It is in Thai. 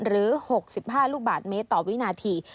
๖๕ลูกบาทเมตรต่อวินาที